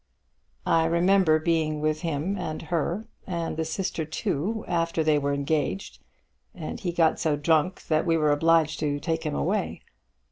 "I remember being with him and her, and the sister too, after they were engaged, and he got so drunk that we were obliged to take him away.